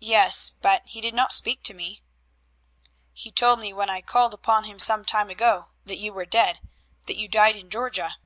"Yes, but he did not speak to me." "He told me when I called upon him some time ago that you were dead that you died in Georgia."